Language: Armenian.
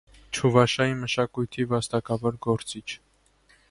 Չուվաշիայի մշակույթի վաստակավոր գործիչ։